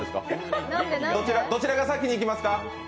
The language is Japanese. どちらが先にいきますか？